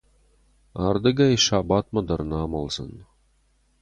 Ардыгӕй сабатмӕ дӕр нӕ амӕлдзӕн.